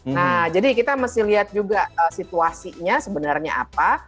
nah jadi kita mesti lihat juga situasinya sebenarnya apa